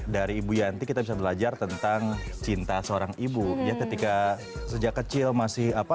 dari ibu yanti kita bisa belajar tentang cinta seorang ibu ya ketika sejak kecil masih apa